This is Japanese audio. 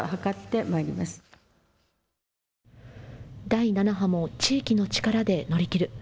第７波も地域の力で乗り切る。